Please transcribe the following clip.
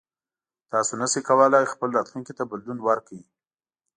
تاسو نشئ کولی خپل راتلونکي ته بدلون ورکړئ.